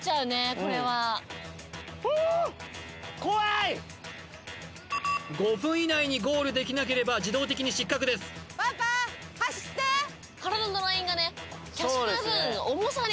これはおお５分以内にゴールできなければ自動的に失格ですそうですね